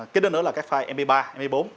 cái đó là các file mp ba mp bốn